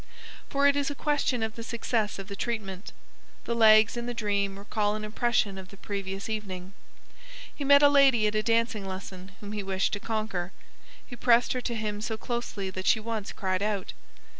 For it is a question of the success of the treatment. The legs in the dream recall an impression of the previous evening. He met a lady at a dancing lesson whom he wished to conquer; he pressed her to him so closely that she once cried out.